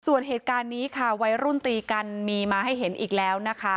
ส่วนเหตุการณ์นี้ค่ะวัยรุ่นตีกันมีมาให้เห็นอีกแล้วนะคะ